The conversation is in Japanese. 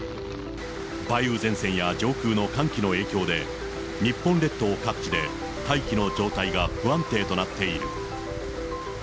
梅雨前線や上空の寒気の影響で、日本列島各地で大気の状態が不安定となっている。